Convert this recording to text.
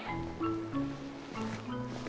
kayak gini aja deh